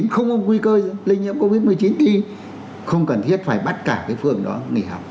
không có nguy cơ lây nhiễm covid một mươi chín đi không cần thiết phải bắt cả cái phường đó nghỉ học